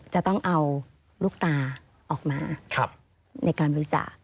จะต้องเอาลูกตาออกมาในการบริจาค